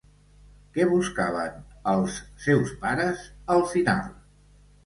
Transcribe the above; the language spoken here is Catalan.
Què buscaven els seus pares al final?